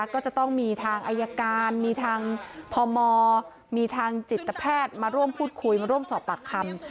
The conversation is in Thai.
ก็จะต้องมีทางอายการมีทางพมมีทางจิตแพทย์มาร่วมพูดคุยมาร่วมสอบปากคำ